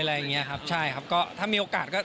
อะไรอย่างเงี้ยครับใช่ครับก็ถ้ามีโอกาสก็